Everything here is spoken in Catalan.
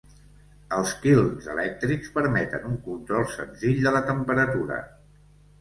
Els kilns elèctrics permeten un control senzill de la temperatura.